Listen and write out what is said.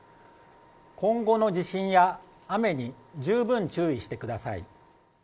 今後の地震や雨に十分注意してください。